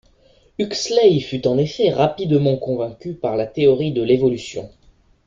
Huxley fut en effet rapidement convaincu par la théorie de l'évolution.